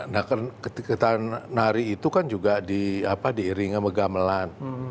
nah kan ketika nari itu kan juga diiringan dengan gamelan